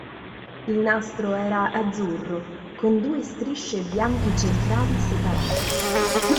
Il "nastro" era azzurro, con due strisce bianche centrali separate.